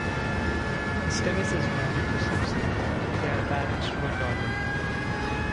Esteves is married to Susan; they are parents to a daughter.